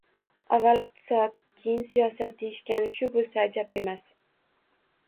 Avval iqtisod, keyin siyosat deyishgani shu bo’lsa ajab emas